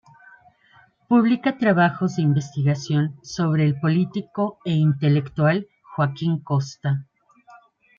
Publica trabajos de investigación sobre el político e intelectual Joaquín Costa.